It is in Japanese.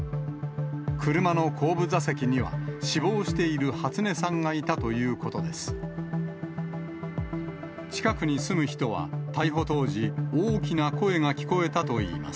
車の後部座席には、死亡している初音さんがいたということです。